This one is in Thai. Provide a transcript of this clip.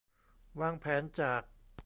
วางแผนจาก